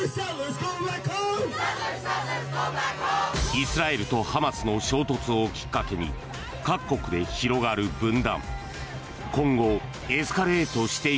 イスラエルとハマスの衝突をきっかけに、各国で広がる分断。